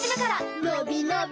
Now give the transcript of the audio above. のびのび